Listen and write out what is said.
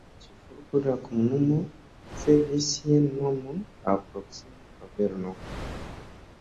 La ĉefurbo de la komunumo ricevis sian nomon laŭ proksima kaverno.